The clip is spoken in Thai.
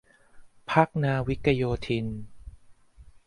พรรคนาวิกโยธิน